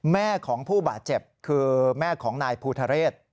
แม่ของผู้บาดเจ็บคือแม่ของนายภูทะเรศ